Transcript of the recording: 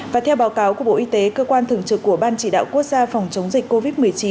và theo báo cáo của bộ y tế cơ quan thường trực của ban chỉ đạo quốc gia phòng chống dịch covid một mươi chín